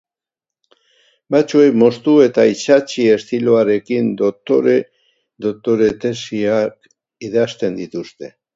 Batzuek moztu eta itsatsi estiloarekin doktore tesiak idazten dituzte.